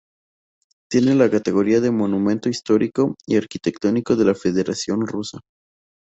Tiene la categoría de Monumento histórico y arquitectónico de la Federación Rusa.